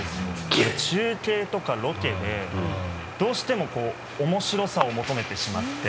だから中継とかロケでどうしてもこう面白さを求めてしまって。